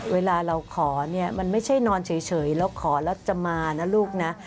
เวลาเราขอเนี่ยมันไม่ใช่นอนเฉยเราขอแล้วจะมานะลูกนะ